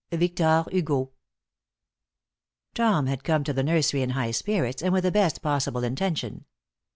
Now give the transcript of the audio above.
Victor Hugo. Tom had come to the nursery in high spirits and with the best possible intention.